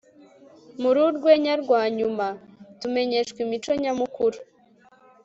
muri 'urwenya rwanyuma' tumenyeshwa imico nyamukuru